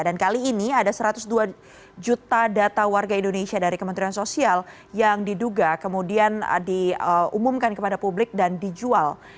dan kali ini ada satu ratus dua juta data warga indonesia dari kementerian sosial yang diduga kemudian diumumkan kepada publik dan dijual